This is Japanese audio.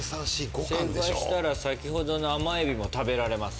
正解したら先ほどの甘エビも食べられます。